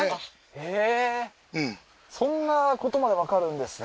へえーそんなことまでわかるんですね